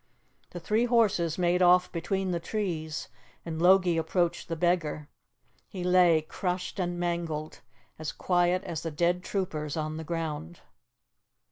The three horses made off between the trees, and Logie approached the beggar. He lay crushed and mangled, as quiet as the dead troopers on the ground.